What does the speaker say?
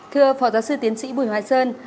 thưa phó giáo sư tiến sĩ bùi hoài sơn